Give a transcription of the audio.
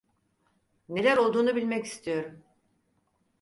Neler olduğunu bilmek istiyorum.